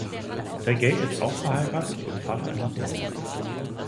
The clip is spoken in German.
Sergey ist auch verheiratet und Vater eines Sohnes.